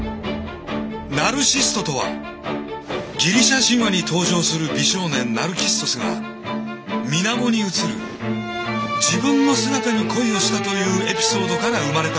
ナルシストとはギリシャ神話に登場する美少年ナルキッソスがみなもに映る自分の姿に恋をしたというエピソードから生まれた言葉である。